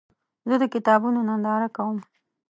زه د کتابونو ننداره کوم.